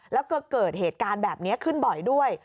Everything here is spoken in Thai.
แล้วก็เกิดเหตุการณ์แบบนี้ขึ้นบ่อยด้วย